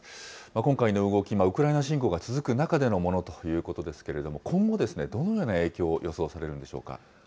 今回の動き、ウクライナ侵攻が続く中でのものということですけれども、今後、どのような影響が予想されるのでしょうか。